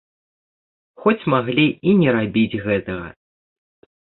Хоць маглі і не рабіць гэтага.